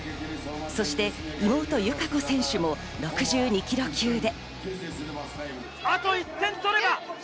そして妹・友香子選手も６２ｋｇ級で。